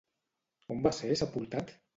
On va ser sepultat?